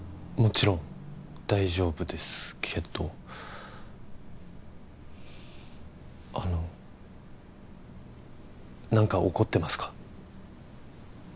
もちろん大丈夫ですけどあの何か怒ってますか？